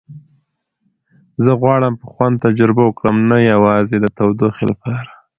زه غواړم په خوند تجربه وکړم، نه یوازې د تودوخې لپاره.